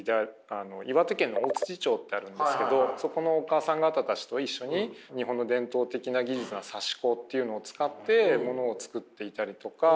岩手県の大町ってあるんですけどそこのお母さん方たちと一緒に日本の伝統的な技術の刺し子っていうのを使ってものを作っていたりとか。